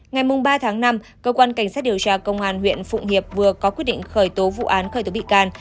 ngày ba tháng năm cơ quan cảnh sát điều tra công an huyện phụng hiệp vừa có quyết định khởi tố vụ án khởi tố bị can